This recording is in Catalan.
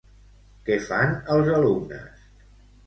Què fan els alumnes?